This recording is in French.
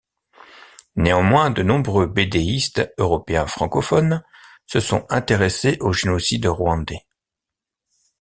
Néanmoins, de nombreux bédéistes européens francophones se sont intéressés au génocide rwandais.